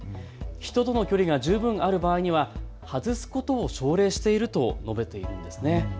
人との距離が十分ある場合には外すことを奨励していると述べているんですね。